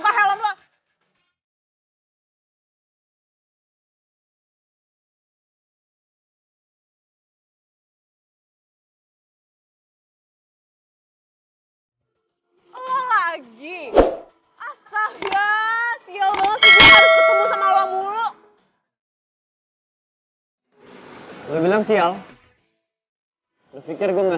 kemana ya kerja